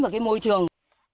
vào cái môi trường